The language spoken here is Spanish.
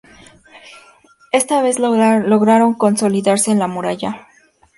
Esta vez lograron consolidarse en la muralla.